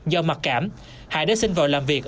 do mặc cảm hải đã xin vào làm việc